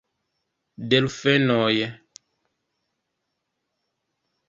Delfenoj!